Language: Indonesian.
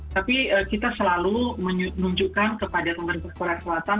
tapi kita selalu menunjukkan kepada pemerintah korea selatan